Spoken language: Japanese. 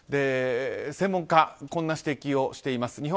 専門家こんな指摘をしています。